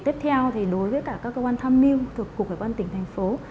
tiếp theo đối với các cơ quan thăm mưu thuộc cơ quan tỉnh thành phố